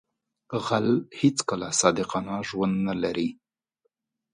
غل هیڅکله صادقانه ژوند نه لري